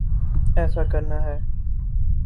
ایسا کرنا ہے۔